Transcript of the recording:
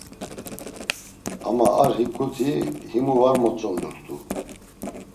Ama ar hiǩuti himu var motzondurt̆u.